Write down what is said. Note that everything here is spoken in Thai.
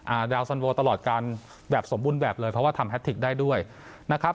ดาวสันโวตลอดการแบบสมบูรณ์แบบเลยเพราะว่าทำแททิกได้ด้วยนะครับ